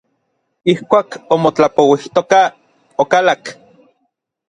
Ijkuak omotlapouijtokaj, okalak.